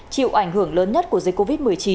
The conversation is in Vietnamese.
chịu ảnh hưởng lớn nhất của dịch covid một mươi chín